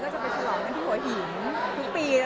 จะไปฉลองทุกปี